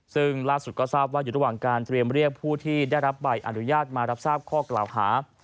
ซึ่งล่าสุดก็ทราบว่าอยู่ระหว่างการเตรียมเรียกผู้ที่ได้รับใบอนุญาตมารับทราบข้อกล่าวหา